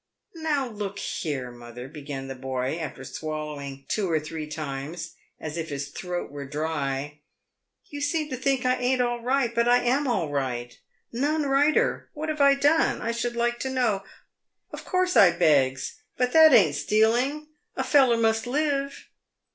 " Now look here, mother," began the boy, after swallowing two or three times, as if his throat were dry, " you seem to think I ain't all right. But I am all right — none righter. "What have I done, I should like to know ? Of course I begs ; but that ain't stealing. A feller must live."